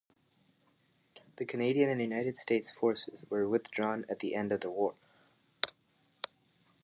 The Canadian and United States forces were withdrawn at the end of the war.